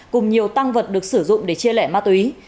cùng nhiều tăng vật được sử dụng để chia lẻ ma túy